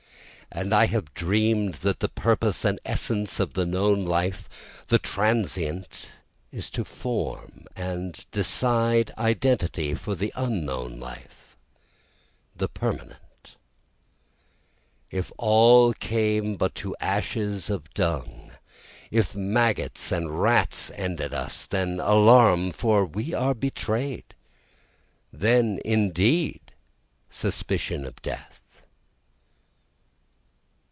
And I have dream'd that the purpose and essence of the known life, the transient, Is to form and decide identity for the unknown life, the permanent. If all came but to ashes of dung, If maggots and rats ended us, then Alarum! for we are betray'd, Then indeed suspicion of death.